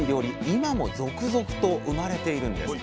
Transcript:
今も続々と生まれているんです。